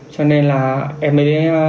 cho nên là em mới